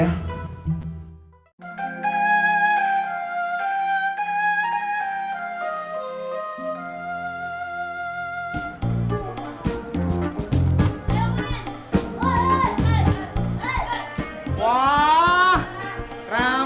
ayo pamit pergi dulu ya